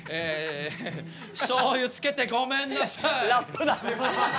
しょうゆつけてごめんなさいラップだ！